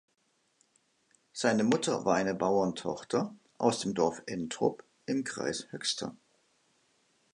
Seine Mutter war eine Bauerntochter aus dem Dorf Entrup im Kreis Höxter.